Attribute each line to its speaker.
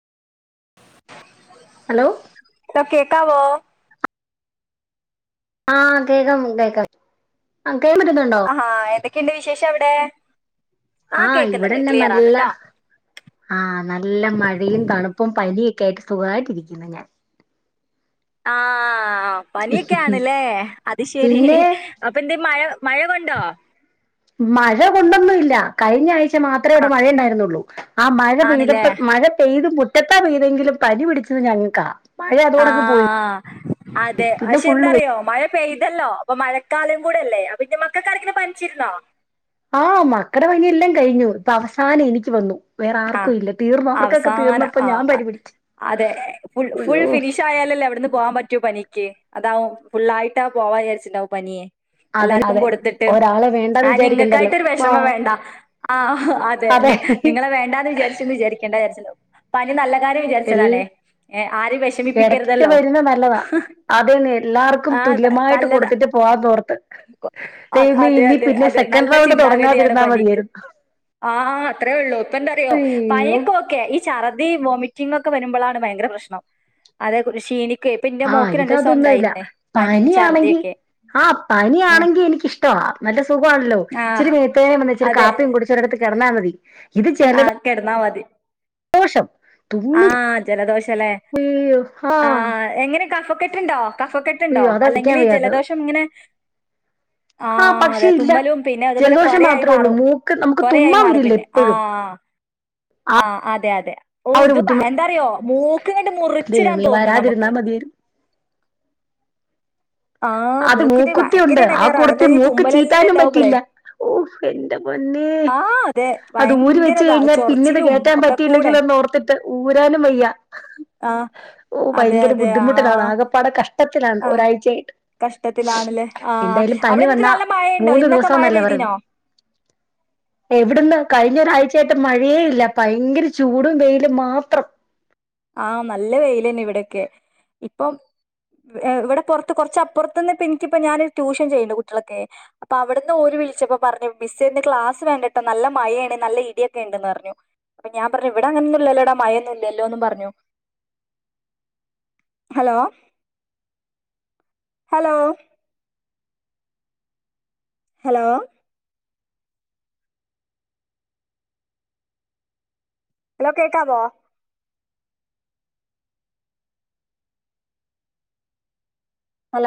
Speaker 1: Hello
Speaker 2: കേട്ടാവോ
Speaker 1: ആഹ കേൾക്കാം കേക്കാം ആ കേൻ പറ്റുന്നുണ്ടോ
Speaker 2: ന്റെ വിശേഷം എവിടെ
Speaker 1: ആഹ് ഇവിടെന്നെ നല്ല ആഹ നല്ല മഴയും തണുപ്പ ഇപ്പം പനിയൊക്കെ ആയിട്ട് സുഖമായിട്ടിരിക്കുന്നു ഞാൻ
Speaker 2: ആഹ പനിയൊക്കെ ആണല്ലേ അത് ശരി
Speaker 1: പിന്നെ
Speaker 2: അപ്പന്റെ മഴ മഴകൊണ്ടോ
Speaker 1: മഴ കൊണ്ടൊന്നുംല്ല കഴിഞ്ഞ ആഴ്ച മാത്രമേ
Speaker 2: ആ
Speaker 1: ഇവിടെ മഴയ ഉണ്ടായിരുന്നുള്ളൂ ആ മഴ
Speaker 2: ആണല്ലേ
Speaker 1: പെയ്തപ്പോ മഴ പെയ്ത് മുറ്റത്താ പെയ്തെങ്കിലും പനി പിടിച്ചത് ഞങ്ങക്കാ മഴ അതോടൊക്കെ പോയി
Speaker 2: ആഹ അതെ
Speaker 1: പിന്നെ
Speaker 2: പക്ഷെ
Speaker 1: ഫുള്ള് വെ
Speaker 2: എന്താറിയോ മഴ പെയ്തല്ലോ അപ്പൊ മഴക്കാലം കൂടെ അല്ലേ അപ്പ പിന്നെ മക്കൾ കടങ്ങിെ പനിച്ചിരുന്നോ
Speaker 1: ആഹ മക്കട പണിയെല്ലാം എല്ലാം കഴിഞ്ഞു ഇപ്പൊ അവസാനം എനിക്ക് വന്നു വേറെ
Speaker 2: ആഹ്
Speaker 1: ആർക്കും ഇല്ല തീർന്നു അവർക്കൊക്കെ
Speaker 2: അവസാനം
Speaker 1: തീർന്നപ്പോ
Speaker 2: ആ
Speaker 1: ഞാൻ
Speaker 2: അ-
Speaker 1: പനി പിടിച്ചു അയ്യോ
Speaker 2: എവിടന്ന് പോവാാൻ പറ്റുവോ പനിക്ക് അതാവും ഫുൾായിട്ട്ാ പോവാാ വിചാച്ചിുണ്ടാവും പനിയെ
Speaker 1: അതെ
Speaker 2: എല്ലാർക്കും
Speaker 1: അതെ
Speaker 2: കൊടുത്തിട്ട്
Speaker 1: ഒരാളെ
Speaker 2: ആ
Speaker 1: വേണ്ടാന്ന് വിചാരിക്കണ്ടല്ലോ
Speaker 2: നിങ്ങൾക്കായിട്ട്രു വിഷമം
Speaker 1: ആഹ്
Speaker 2: വേണ്ട ആ അതെ നി നിങ്ങളെ വേണ്ടാന്ന് വിചാരിച്ചന്ന് വിചാരിക്കേണ്ട [unintelligible] നല്ല കാര്ം
Speaker 1: എൽ
Speaker 2: വിചാരിച്ചതാണേ ർ ആരും
Speaker 1: ഇടക്കൊക്കെ
Speaker 2: വിഷമിപ്പിക്കരുതല്ലോ
Speaker 1: വരുന്ന നല്ലതാ അതന്നെ എല്ലാർക്കും
Speaker 2: ആ
Speaker 1: തുല്യമായിട്ട്
Speaker 2: നല്ലതാ
Speaker 1: കൊടുത്തിട്ട് പോവാ തോർത്ത്
Speaker 2: അ-
Speaker 1: ദൈവമേ
Speaker 2: അതെ
Speaker 1: ഇനി
Speaker 2: അതെ
Speaker 1: പിന്നെ
Speaker 2: അതെ
Speaker 1: സെക്കൻഡ് റൗണ്ട് തുടങ്ങാതിരുന്നാ മതിയായിരുന്നു
Speaker 2: ആഹ അത്രേ ഉള്ളൂ ഇപ്പ എന്താറിയോ
Speaker 1: അയ്യോ
Speaker 2: പയക്കൊക്കെ ഈ ചഛർദ വോമിറ്റ് ങ്ങൊക്കെ വരുമ്പോഴാണ് ഭയങ്കര പ്രശ്നം അതെറി ഷീനിക്ക് ഇപ്പ ഇന്റെ
Speaker 1: ആഹ്
Speaker 2: മോക്ക് രണ്ടണ്ട് ദിവസം ഉണ്ടായിരുന്നു പ ഛർദിയൊക്കെ
Speaker 1: ആഹ
Speaker 2: ഉം
Speaker 1: പനിയാണെങ്കിൽ എനക്ക്ഷ്ടമാ നല്ല സുഖമാണല്ലോ
Speaker 2: ആ
Speaker 1: ഇിരി മേത്തയും വന്ന ഇച്ചിരി കാപ്പിയും കുടിച്ച് ഒരിടത്ത് കടന്നാ
Speaker 2: ആഹ കിടന്നാൽ മതി
Speaker 1: ദോഷം
Speaker 2: ആ
Speaker 1: തുമ്മി
Speaker 2: ജലദോഷല്ലേ?
Speaker 1: [unintelligible] ആ
Speaker 2: എങ്ങനെ കഫക്കെട്ടുണ്ടോ കഫക്കെട്ടുണ്ടോ അല്ലെങ്കിൽ
Speaker 1: സഹിക്കാൻ
Speaker 2: ഈ
Speaker 1: വയ്യാത്തത്
Speaker 2: ജലദോഷം ഇങ്ങനെ [inaudible] ആ
Speaker 1: ആഹ് പക്ഷെ
Speaker 2: അതെ
Speaker 1: ഇല്ല
Speaker 2: തുമ്മലും പിന്നെ അതുപോലെ
Speaker 1: ജലദോഷം
Speaker 2: കൊരയായി
Speaker 1: മാത്രേ ഉള്ളൂ
Speaker 2: മാറും
Speaker 1: മൂക്ക് നമുക്ക്
Speaker 2: കൊരയായി
Speaker 1: തുമ്മാൻ
Speaker 2: മാറും
Speaker 1: വരില്ലേ
Speaker 2: പിന്നെ ആ
Speaker 1: എപ്പഴും
Speaker 2: ആ അതെ അതെ ഓ
Speaker 1: ആ ഒരു
Speaker 2: ഇത്
Speaker 1: ബുദ്ധിമുട്ട്
Speaker 2: എന്താറിയോ മൂ കണ്ട് മുറിച്ചിടാൻ
Speaker 1: ദൈവമേ
Speaker 2: തോന്നുന്നു
Speaker 1: വരാതിരുന്നാ
Speaker 2: നമുക്ക്
Speaker 1: മതിയായിരുന്നു
Speaker 2: ആഹ്
Speaker 1: അത്
Speaker 2: മൂക്കിന് ഭയങ്കര
Speaker 1: മൂക്കുത്തിയുണ്ട് ആ
Speaker 2: എടങ്ങേറാ അല്ല
Speaker 1: കൂടത്തി
Speaker 2: ഈ
Speaker 1: മൂക്ക്
Speaker 2: തുമ്മലന്നെ
Speaker 1: ചീറ്റാനും
Speaker 2: ഇണ്ടാവുമ്പളേ
Speaker 1: പറ്റില്ല ഓ എന്റെ മൊന്നേ
Speaker 2: ആഹ് അതെ
Speaker 1: അത് ഊര് വെച്ച്
Speaker 2: ഭയങ്കരതാ
Speaker 1: കഴിഞ്ഞാൽ പിന്നീത്
Speaker 2: ചൊറച്ചിലും
Speaker 1: കേട്ടാൻ
Speaker 2: ഒക്കെ കൂടെ
Speaker 1: പറ്റിയില്ലെങ്കില ഒന്നും ഓർത്തിട്ട് ഊരാനും വയ്യ
Speaker 2: ആഹ്
Speaker 1: ഓ
Speaker 2: അതെ
Speaker 1: ഭയങ്കര
Speaker 2: അതെ
Speaker 1: ബുദ്ധിമുട്ടിലാണ്
Speaker 2: ആഹ്
Speaker 1: ആകെപ്പാട കഷ ട്ടത്തിലാണ് ഒരാഴ്ചയായിട്ട്
Speaker 2: കഷ്ടത്തിലാണല്ലേ ആ്
Speaker 1: എന്തായാലും പനി
Speaker 2: അവിടെ എന്നിട്ട്
Speaker 1: വന്നാ
Speaker 2: നല്ല മഴ ഉണ്ടോ ഇന്നൊക്കെ മഴ പെയ്തീനോ
Speaker 1: എവിടുന്ന ക കഴിഞ്ഞൊരാഴ്ചയായിട്ട് മഴയേ ഇല്ല ഭയങ്കര ചൂടും വെയിലും മാത്രം
Speaker 2: ആഹ നല്ല വെയിലന്നെ ഇവിടൊക്കെ ഇപ്പം ഏഹ് ഇവിടെ പുറത്ത് കുറച്ചപ്പുറത്ത് നിന്ന് ഇനിക്ക് എനിക്കിപ്പ ഞാന് ട്യൂഷൻ ചെയ്യണ്ട് കുട്ടികളൊക്കെ അപ്പൊ അവിടുന്ന് ഓല് വിളിച്ചപ്പോ പറഞ്ഞു മിസ്സ്‌ന്ന് ക്ലാസ് വേണ്ടിട്ട നല്ല മഴയാണ് നല്ല ഇടിയൊക്കെ ഉണ്ടന്ന് പറഞ്ഞു അപ്പ ഞാൻ പറഞ്ഞു ഇവിടെ അങ്ങനന്നല്ലോട മയന്ന ഇല്ലോന്ന പറഞ്ഞു ഹലോ ഹലോ ഹലോ ഹലോ കേക്കാവോ?